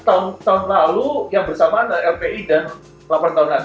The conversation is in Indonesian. nah tahun lalu yang bersamaan dengan lpi dan delapan tahun lalu